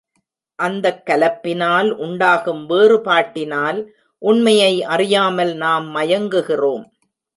அந்தக் கலப்பினால் உண்டாகும் வேறுபாட்டினால் உண்மையை அறியாமல் நாம் மயங்குகிறோம்.